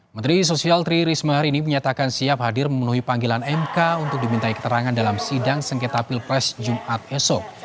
menteri sosial tri risma hari ini menyatakan siap hadir memenuhi panggilan mk untuk dimintai keterangan dalam sidang sengketa pilpres jumat esok